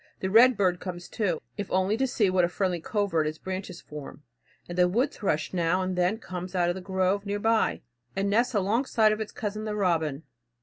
The red bird comes too, if only to see what a friendly covert its branches form; and the wood thrush now and then comes out of the grove near by, and nests alongside of its cousin, the robin.